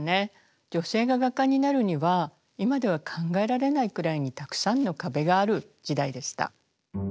女性が画家になるには今では考えられないくらいにたくさんの壁がある時代でした。